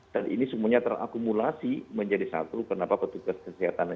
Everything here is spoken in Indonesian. dan ini semuanya terakumulasi menjadi satu kenapa petugas kesehatan